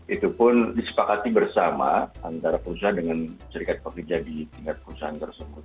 itu pun disepakati bersama antara perusahaan dengan serikat pekerja di tingkat perusahaan tersebut